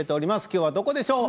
今日はどこでしょう？